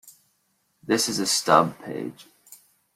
This is a stub page.